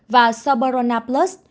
và soborna plus